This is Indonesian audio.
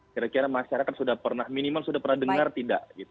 kira kira masyarakat sudah pernah minimal sudah pernah dengar tidak